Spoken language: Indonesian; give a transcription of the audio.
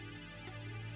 oh itu orangnya